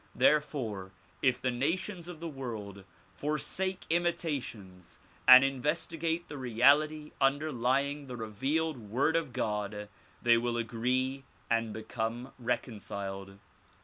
Therefore if the nations of the world forsake imitations and investigate the reality underlying the revealed Word of God they will agree and become reconciled.